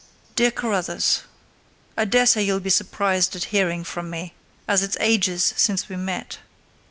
Dear Carruthers,—I daresay you'll be surprised at hearing from me, as it's ages since we met.